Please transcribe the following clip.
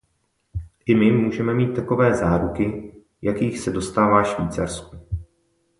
I my můžeme mít takové záruky, jakých se dostává Švýcarsku.